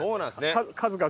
数々。